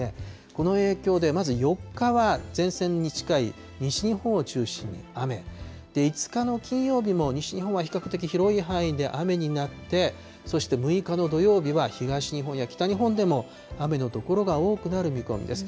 この影響で、まず４日は前線に近い西日本を中心に雨、５日の金曜日も西日本は比較的広い範囲で雨になって、そして６日の土曜日は、東日本や北日本でも雨の所が多くなる見込みです。